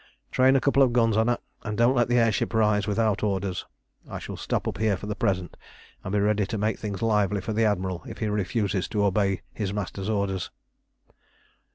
Train a couple of guns on her, and don't let the air ship rise without orders. I shall stop up here for the present, and be ready to make things lively for the Admiral if he refuses to obey his master's orders."